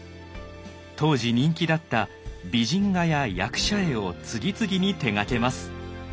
当時人気だった美人画や役者絵を次々に手がけます。